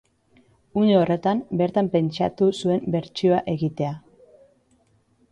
Une horretan bertan pentsatu zuen bertsioa egitea.